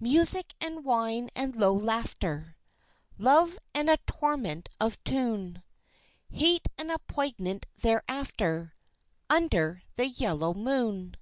Music and wine and low laughter, Love and a torment of tune Hate and a poignard thereafter, Under the yellow moon.